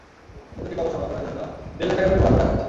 প্রতিটি কবর সংরক্ষণের জন্য দেড় লাখ টাকা করে বরাদ্দ রাখা হয়েছে।